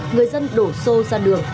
người dân đổ xô ra đường